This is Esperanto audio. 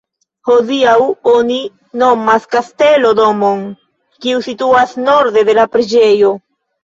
Hodiaŭ oni nomas "Kastelo" domon, kiu situas norde de la preĝejo.